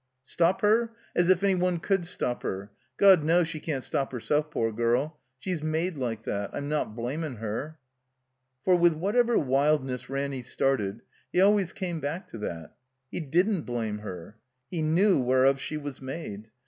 " Stop her? As if any one could stop her! God knows she can't stop herself, poor girl. She's made like that. I'm not blamin' her.'* For, with whatever wildness Ranny^started, he always came back to that — He didn't blame her. He knew whereof she was made.